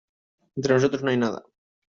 entre nosotros no hay nada.